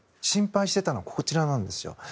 心配していたのはこちらなんですよ。